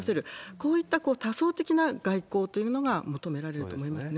こういった多層的な外交というのが求められると思いますね。